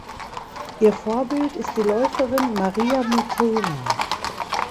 Ihr Vorbild ist die Läuferin Maria Mutola.